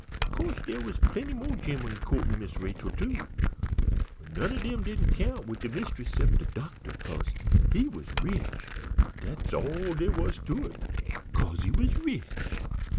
Of co'se dere was plenty mo' gemmen co'rting Miss Rachel, too, but none o' dem didn't count wid de mist'ess 'cept de doctor, 'cause he was rich, dat's all dere was to 't, 'cause he was rich.